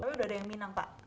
tapi sudah ada yang minang pak